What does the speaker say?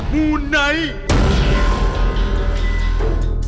มูไนท์